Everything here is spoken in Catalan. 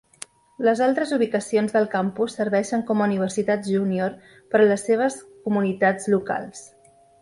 Les altres ubicacions del campus serveixen com universitats junior per a les seves comunitats locals.